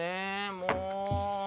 もう！